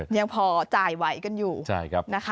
ยังพอจ่ายไหวกันอยู่นะคะ